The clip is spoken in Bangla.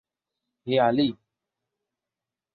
হে আলী!